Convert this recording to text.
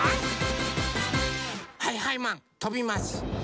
はいはいマンとびます。